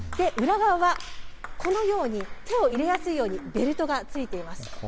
裏側は、このように手を入れやすいようにベルトがついています。